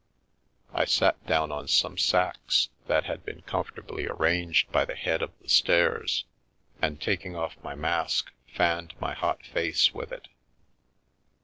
I sat down on some sacks that had been comfortably arranged by the head of the stairs and taking off my mask, fanned my hot face with it.